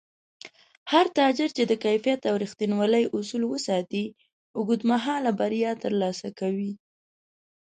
هر تاجر چې د کیفیت او رښتینولۍ اصول وساتي، اوږدمهاله بریا ترلاسه کوي